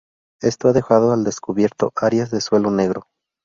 Esto ha dejado al descubierto áreas de 'suelo negro'.